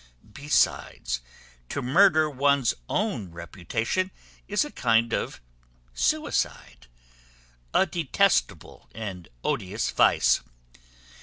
Besides, to murder one's own reputation is a kind of suicide, a detestable and odious vice.